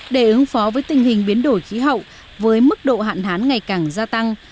để ứng phó với tình hình biến đổi khí hậu với mức độ hạn hán ngày càng gia tăng